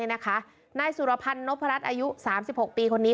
นายสุรพันธ์นพรัชอายุ๓๖ปีคนนี้